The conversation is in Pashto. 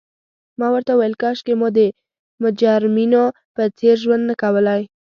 ما ورته وویل: کاشکي مو د مجرمینو په څېر ژوند نه کولای.